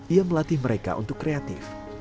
ia melatih mereka untuk kreatif